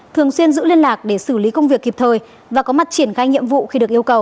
thường xuyên giữ liên lạc để xử lý công việc kịp thời và có mặt triển khai nhiệm vụ khi được yêu cầu